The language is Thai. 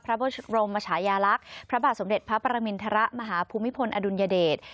พระบริมทรมมยรุณรักษ์พระบาทสมเด็จพระประมินธรรมมหาภูมิภลอดุนยเดช